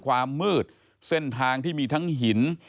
ความมืดเส้นทางที่มีทั้งหิน